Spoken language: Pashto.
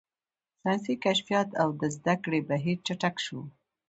ساینسي کشفیات او د زده کړې بهیر چټک شو.